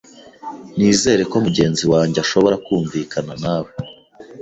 Nizere ko mugenzi wanjye ashobora kumvikana nawe.